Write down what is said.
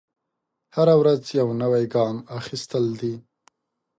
هره ورځ یو نوی ګام اخیستل دی.